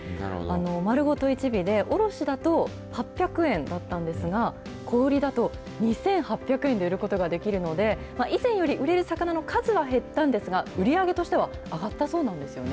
丸ごと一尾で卸だと８００円だったんですが、小売りだと２８００円で売ることができるので、以前より売れる魚の数は減ったんですが、売り上げとしては上がったそうなんですよね。